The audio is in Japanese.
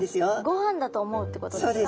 ごはんだと思うってことですか？